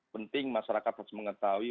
penting masyarakat harus mengetahui